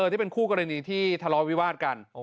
ที่เป็นคู่กรณีที่ทะเลาะวิวาสกัน